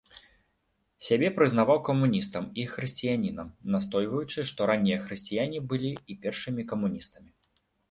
Сябе прызнаваў камуністам і хрысціянінам, настойваючы, што раннія хрысціяне былі і першымі камуністамі.